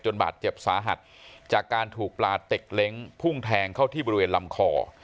บาดเจ็บสาหัสจากการถูกปลาเต็กเล้งพุ่งแทงเข้าที่บริเวณลำคอ